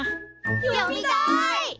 読みたい！